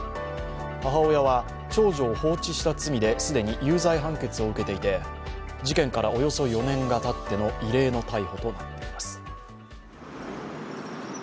母親は長女を放置した罪で既に有罪判決を受けていて、事件からおよそ４年がたっての異例の逮捕となっています。